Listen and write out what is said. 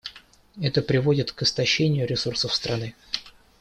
Это приводит к истощению ресурсов страны.